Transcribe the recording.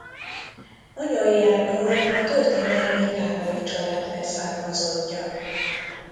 Anyai ágról a történelmi Kállay család leszármazottja.